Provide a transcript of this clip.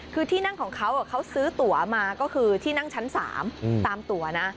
คือที่นั่งของเขาเขาซื้อตัวมาก็คือที่นั่งชั้น๓ตามตัวนะ